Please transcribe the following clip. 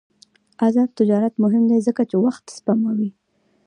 آزاد تجارت مهم دی ځکه چې وخت سپموي.